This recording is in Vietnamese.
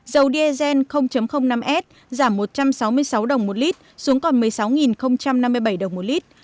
dầu diesel năm s giảm một trăm sáu mươi sáu đồng một lit xuống còn một mươi sáu năm mươi bảy đồng một lít